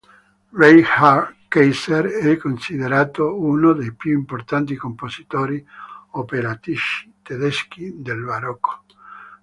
Reinhard Keiser è considerato uno dei più importanti compositori operistici tedeschi del barocco.